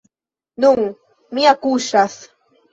Nun mi akuŝas.